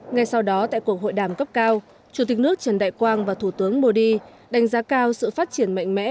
ngay sau đó tại cuộc hội đàm cấp cao chủ tịch nước trần đại quang và thủ tướng modi đánh giá cao sự phát triển mạnh mẽ